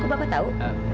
kok bapak tahu